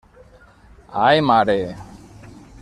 Ai, mare!